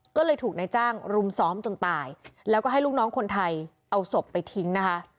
ก็เลยถูกนายจ้างรุมซ้อมจนตายแล้วก็ให้ลูกน้องคนไทยเอาศพไปทิ้งนะคะ